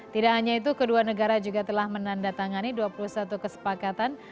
tidak hanya itu kedua negara juga telah menandatangani dua puluh satu kesepakatan